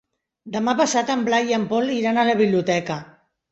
Demà passat en Blai i en Pol iran a la biblioteca.